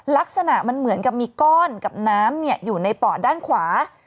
ลักษณะมันเหมือนกับมีก้อนกับน้ำอยู่ในปอดด้านขวา